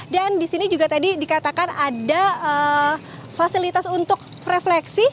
dan di sini juga tadi dikatakan ada fasilitas untuk refleksi